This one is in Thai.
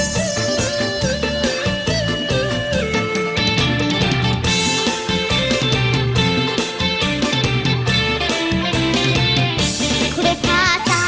สมาธิจ้า